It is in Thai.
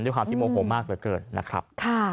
ด้วยความที่โมโหมากเหลือเกินนะครับ